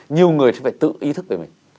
nhiều người phải tự ý thức về mình